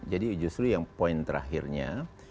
jadi justru yang poin terakhirnya